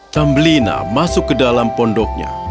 tambelina masuk ke dalam pondoknya